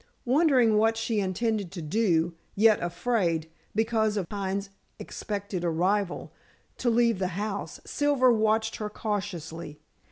Wondering what she intended to do, yet afraid because of Pine's expected arrival to leave the house, Silver watched her cautiously.